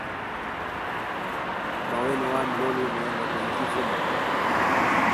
Nowena wami lulunwe, no benga ivuma.